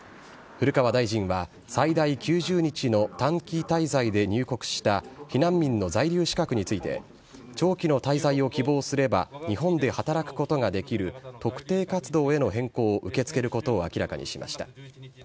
古川大臣は、最大９０日の短期滞在で入国した避難民の在留資格について、長期の滞在を希望すれば、日本で働くことができる特定活動への変更を受け付けることを明らかにしました。